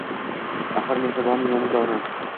Axir mehribonim yonimda onam